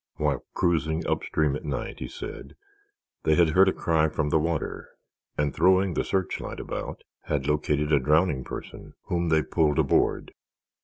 While cruising upstream at night, he said, they had heard a cry from the water and throwing the searchlight about had located a drowning person, whom they pulled aboard.